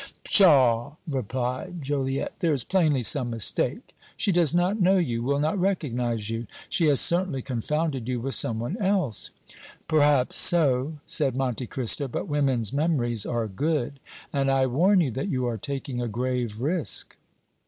"Pshaw!" replied Joliette, "there is plainly some mistake. She does not know you, will not recognize you. She has certainly confounded you with some one else." "Perhaps so," said Monte Cristo; "but women's memories are good, and I warn you that you are taking a grave risk."